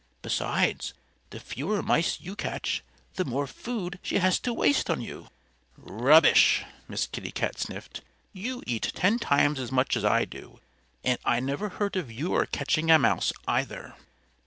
Besides, the fewer mice you catch, the more food she has to waste on you." "Rubbish!" Miss Kitty Cat sniffed. "You eat ten times as much as I do. And I never heard of your catching a mouse, either."